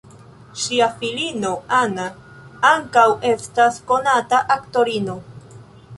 Ŝia filino Anna ankaŭ estas konata aktorino.